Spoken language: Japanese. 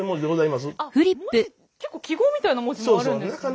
結構記号みたいな文字もあるんですね。